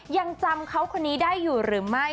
ยังจำเขาคนนี้ได้อยู่หรือไม่